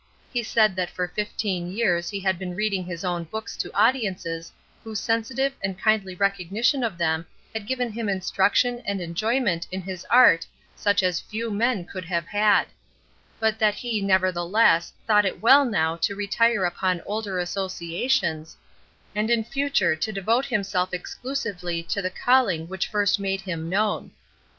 He said that for fifteen years he had been reading his own books to audiences whose sensitive and kindly recognition of them had given him instruction and enjoyment in his art such as few men could have had; but that he nevertheless thought it well now to retire upon older associations, and in future to devote himself exclusively to the calling which first made him known.